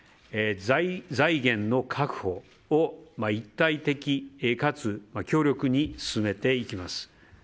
財源の確保を一体的かつ強力に進めていきます。